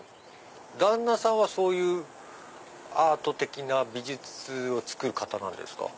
旦那さんはそういうアート的な美術を作る方なんですか？